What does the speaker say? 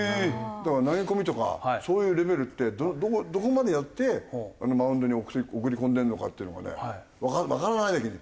だから投げ込みとかそういうレベルってどこまでやってマウンドに送り込んでるのかっていうのがねわからないだけに。